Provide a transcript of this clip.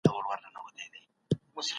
هر انسان بايد خپل حق وپيژني.